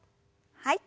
はい。